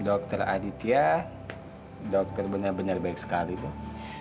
dokter aditya dokter benar benar baik sekali dok